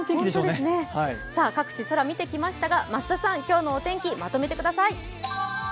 各地、空を見てきましたが増田さん、今日のお天気まとめてください。